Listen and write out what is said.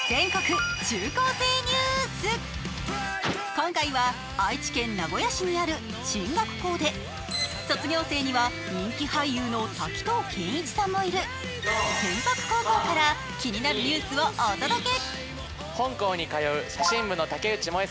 今回は愛知県名古屋市にある進学校で、卒業生には人気俳優の滝藤賢一さんもいる天白高校から気になるニュースをお届け。